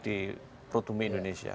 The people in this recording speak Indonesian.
di rotumi indonesia